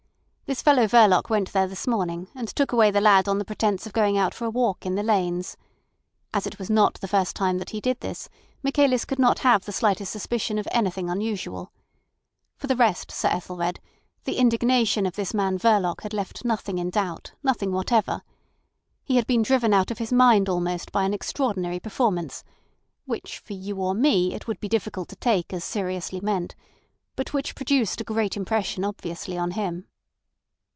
This fellow Verloc went there this morning, and took away the lad on the pretence of going out for a walk in the lanes. As it was not the first time that he did this, Michaelis could not have the slightest suspicion of anything unusual. For the rest, Sir Ethelred, the indignation of this man Verloc had left nothing in doubt—nothing whatever. He had been driven out of his mind almost by an extraordinary performance, which for you or me it would be difficult to take as seriously meant, but which produced a great impression obviously on him."